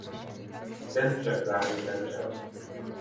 Ten však záhy zemřel.